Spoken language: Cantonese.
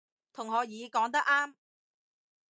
同學乙講得啱